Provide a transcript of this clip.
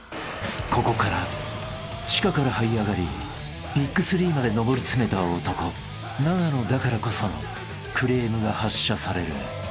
［ここから地下からはい上がりＢＩＧ３まで上り詰めた男永野だからこそのクレームが発射される］